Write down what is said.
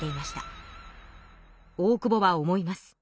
大久保は思います。